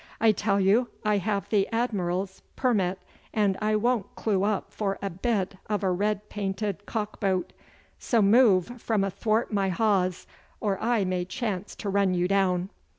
I tell you I have the admiral's permit, and I won't clew up for a bit of a red painted cock boat; so move from athwart my hawse, or I may chance to run you down.